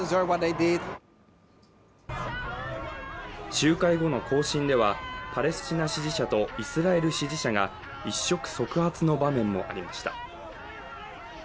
集会後の行進ではパレスチナ支持者とイスラエル支持者が一触即発の場面もありました